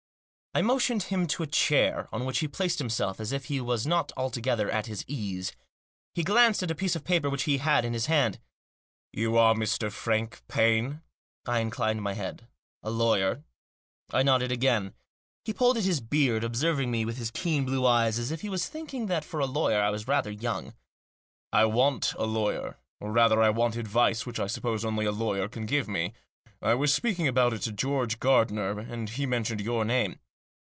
I motioned him to a chair, on which he placed himself as if he was not altogether at his ease. He glanced at a piece of paper which he had in his hand. " You are Mr. Frank Paine ?" I inclined my head. " A lawyer?" I nodded again. He pulled at his beard ; observing me with his keen blue eyes, as if he was thinking that for a lawyer I was rather young. "I want a lawyer, or rather I want advice which I suppose only a lawyer can give me. I was speaking about it to George Gardiner, and he mentioned your name."